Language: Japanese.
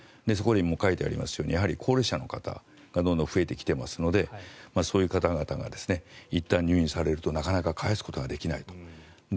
そこに書いてありますように高齢者の方がどんどん増えていますのでそういう方々がいったん入院されるとなかなか帰すことができないと。